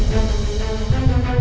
tante sarah juga disana